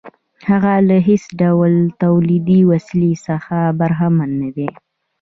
هغه له هېڅ ډول تولیدي وسیلې څخه برخمن نه دی